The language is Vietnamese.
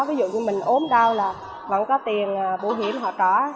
ví dụ như mình ốm đau là vẫn có tiền bảo hiểm họ trả